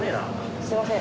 すいません